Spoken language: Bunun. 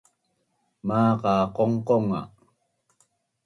Maqa qongqong nga